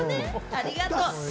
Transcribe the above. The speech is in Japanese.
ありがとう。